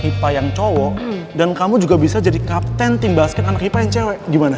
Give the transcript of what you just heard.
pipa yang cowok dan kamu juga bisa jadi kapten tim basket anak pipa yang cewek gimana